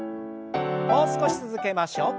もう少し続けましょう。